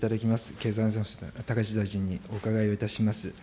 経済安全保障、高市大臣にお伺いをいたします。